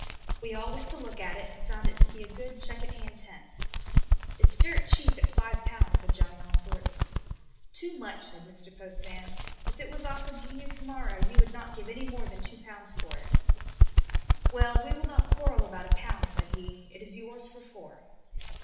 We all went to look at it, and found it to be a good second hand tent. "It's dirt cheap at Ł5," said Johnny Allsorts. "Too much," said Mr. Postman. "If it was offered to you to morrow you would not give any more than Ł2 for it." "Well, we will not quarrel about a pound," said he. "It is yours for four."